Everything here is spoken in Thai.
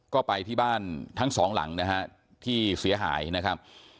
ก็ไปที่บ้านทั้งสองหลังนะฮะที่เสียหายนะครับ